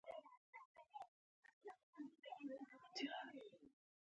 آزاد تجارت مهم دی ځکه چې نانوټیکنالوژي تبادله کوي.